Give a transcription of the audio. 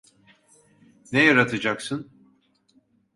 Ne yaratacaksın?